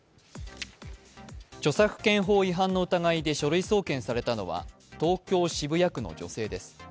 著作権法違反の疑いで書類送検されたのは東京・渋谷区の女性です。